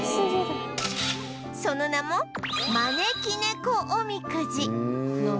その名も招き猫おみくじ